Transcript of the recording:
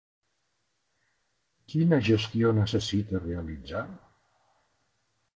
Quina gestió necessita realitzar?